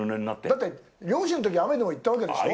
だって、漁師のとき雨でも行ったわけでしょう。